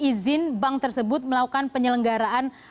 izin bank tersebut melakukan penyelenggaraan